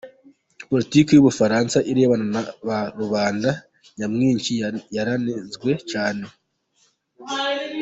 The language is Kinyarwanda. Politiki yu Bufaransa irebana naba rubanda nyamwinshi yaranenzwe cyane.